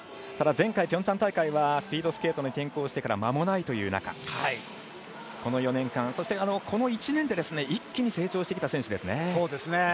ただ、前回ピョンチャン大会はスピードスケートに転向してからまもないという中この４年間、そしてこの１年で一気に成長してきた選手ですね。